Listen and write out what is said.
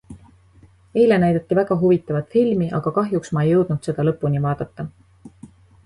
Eile näidati väga huvitavat filmi, aga kahjuks ma ei jõudnud seda lõpuni vaadata.